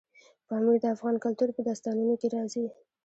پامیر د افغان کلتور په داستانونو کې راځي.